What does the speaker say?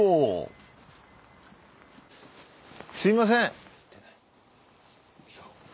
すいません。